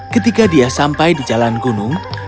ketika dia sampai di jalan gunung untuk mencari brokat